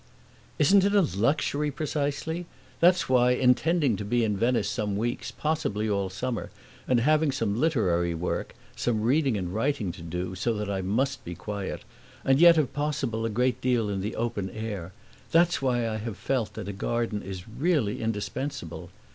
"Isn't it a luxury, precisely? That's why, intending to be in Venice some weeks, possibly all summer, and having some literary work, some reading and writing to do, so that I must be quiet, and yet if possible a great deal in the open air that's why I have felt that a garden is really indispensable.